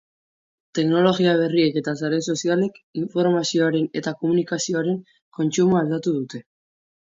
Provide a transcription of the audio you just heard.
Teknologia berriek eta sare sozialek informazioaren eta komunikazioaren kontsumoa aldatu dute.